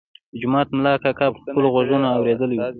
د جومات ملا کاکا په خپلو غوږونو اورېدلی و.